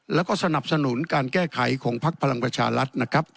แล้วก็สนับสนุนการแก้ไขของภาคพลังประชารัฐ